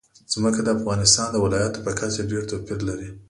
ځمکه د افغانستان د ولایاتو په کچه ډېر توپیر لري.